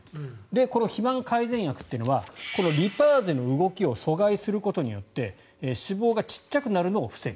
この肥満改善薬というのはこのリパーゼの動きを阻害することによって脂肪が小さくなるのを防ぐ。